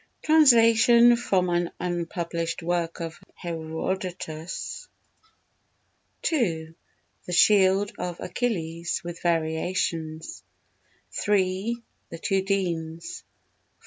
Translation from an Unpublished Work of Herodotus ii. The Shield of Achilles, with Variations iii. The Two Deans iv.